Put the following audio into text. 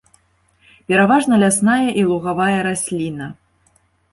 Пераважна лясная і лугавая расліна.